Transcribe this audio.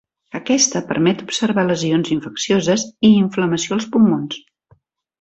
Aquesta permet observar lesions infeccioses i inflamació als pulmons.